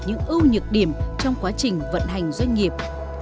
những ưu nhược điểm trong quá trình vận hành doanh nghiệp